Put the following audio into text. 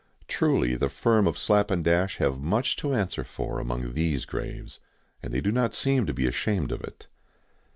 Truly, the firm of Slap & Dash have much to answer for among these graves, and they do not seem to be ashamed of it.